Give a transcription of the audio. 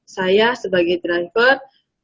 saya sebagai driver